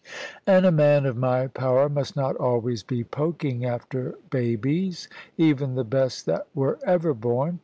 And a man of my power must not always be poking after babies, even the best that were ever born.